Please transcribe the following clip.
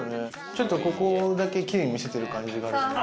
ちょっとここだけキレイに見せてる感じがあるよね。